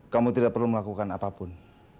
kamu tidak perlu melakukan apapun